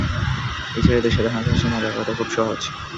এই ছেলেদের সাথে হাসা-হাসি, মজা করা তো খুব সহজ।